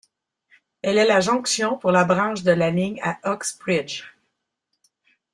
Elle est la jonction pour la branche de la ligne à Uxbridge.